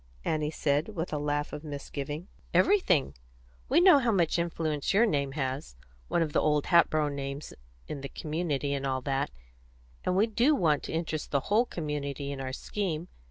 Annie said, with a laugh of misgiving. "Everything. We know how much influence your name has one of the old Hatboro' names in the community, and all that; and we do want to interest the whole community in our scheme.